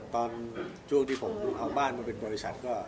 ตอนช่วงที่ผมเอาบ้านมาเป็นบริษัทก็